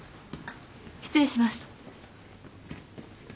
失礼します。